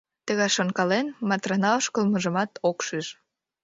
Тыге шонкален, Матрана ошкылмыжымат ок шиж.